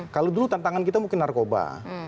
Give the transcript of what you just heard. kalau dulu tantangan kita mungkin narkoba